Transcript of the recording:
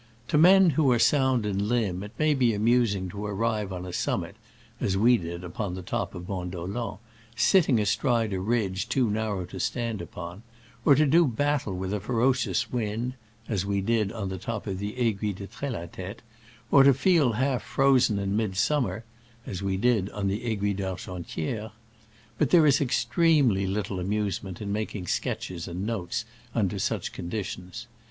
To men who are sound in hmb it may be amusing to arrive on a summit (as we did upon the top of Mont Dolent), sitting astride a ridge too narrow to stand upon, or to do battle with a ferocious wind (as we did on the top of the Aiguille de Tr^latete), or to feel half frozen in midsummer (as we did on the Aiguille d'Argentiere). But there is extremely little amusement in making sketches and notes under such conditions.